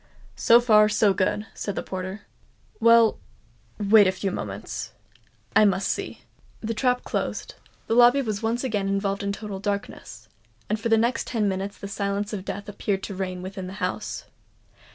"So far, so good," said the porter. "Well—wait a few moments—I must see." The trap closed—the lobby was again involved in total darkness; and for the next ten minutes the silence of death appeared to reign within the house.